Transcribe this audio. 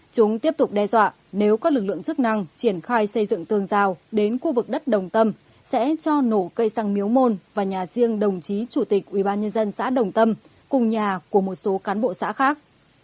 chúng tiếp tục đe dọa nếu các lực lượng chức năng triển khai xây dựng tường rào đến khu vực đất đồng tâm sẽ cho nổ cây xăng miếu môn và nhà riêng đồng chí chủ tịch ubnd xã đồng tâm cùng nhà của một số cán bộ xã khác